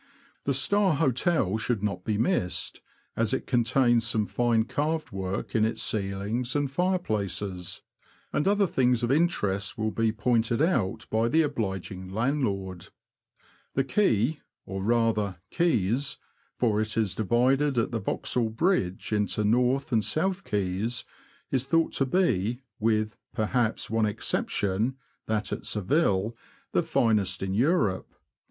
The Star Hotel should not be missed, as it contains some fine carved work in its ceilings and fireplaces ; and other things of interest will be pointed out by the obliging landlord. The Quay — or, rather, quays, for it is divided at the Vauxhall Bridge into North and South Quays — is thought to be, with, perhaps, one exception (that at Seville), the finest in Europe.